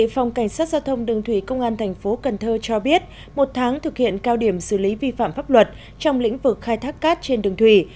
phòng cảnh sát giao thông đường thủy công an tp cn cho biết một tháng thực hiện cao điểm xử lý vi phạm pháp luật trong lĩnh vực khai thác cát trên đường thủy